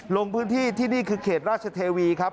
ลงพื้นที่ที่นี่คือเขตราชเทวีครับ